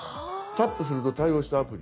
「タップすると対応したアプリ」。